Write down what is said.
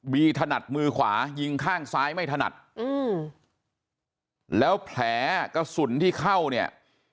ถนัดมือขวายิงข้างซ้ายไม่ถนัดอืมแล้วแผลกระสุนที่เข้าเนี่ย